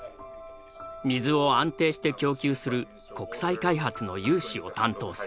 水を安定して供給する国際開発の融資を担当する。